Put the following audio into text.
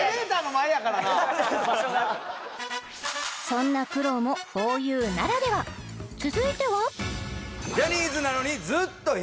そんな苦労もふぉゆならではうわあ！